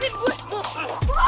kenapa ngak heranin juga kayu